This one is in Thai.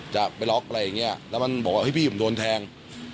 จะไปล็อกอะไรอย่างเงี้ยแล้วมันบอกว่าเฮ้พี่ผมโดนแทง